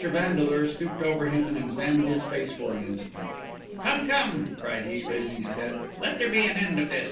Vandeleur stooped over him and examined his face for an instant. "Come, come!" cried he, raising his head. "Let there be an end of this.